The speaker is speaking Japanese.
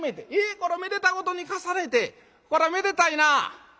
こらめでたごとに重ねてこらめでたいなぁ」。